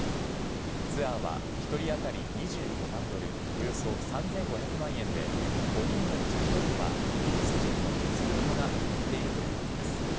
ツアーは１人当たり２５万ドル、およそ３５００万円で、５人のうち１人はイギリス人の実業家が乗っているということです。